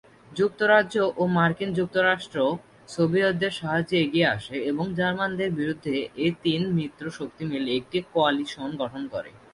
যুক্তরাজ্য ও মার্কিন যুক্তরাষ্ট্র সোভিয়েতদের সাহায্যে এগিয়ে আসে এবং জার্মানদের বিরুদ্ধে এই তিন মিত্রশক্তি মিলে একটি কোয়ালিশন গঠন করে।